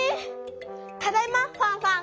ただいまファンファン。